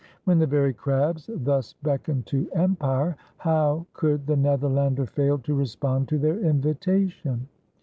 When the very crabs thus beckoned to empire, how could the Netherlander fail to respond to their invitation?